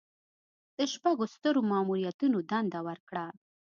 د شپږو سترو ماموریتونو دنده ورکړه.